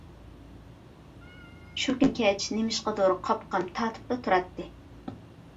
؟ شۇ كۈنى كەچ نېمىشقىدۇر قاپىقىم تارتىپلا تۇراتتى.